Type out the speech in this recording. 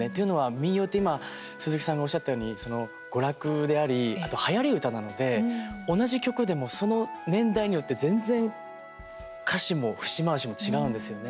民謡って、今鈴木さんがおっしゃったように娯楽であり、あとはやり唄なので同じ曲でもその年代によって全然、歌詞も節回しも違うんですよね。